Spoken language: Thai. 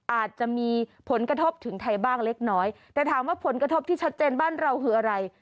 อาจจะมีผลกระทบถึงไทยบ้างเล็กน้อยแต่ถามว่าผลกระทบที่ชัดเจนบ้านเราคืออะไร